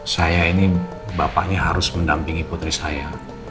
saya ini bapaknya harus mendampingi putri saya